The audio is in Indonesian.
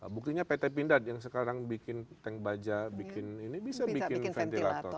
buktinya pt pindad yang sekarang bikin tank baja bikin ventilator